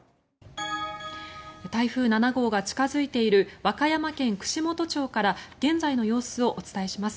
台風７号が近付いている和歌山県串本町から現在の様子をお伝えします。